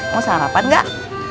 mau sarapan gak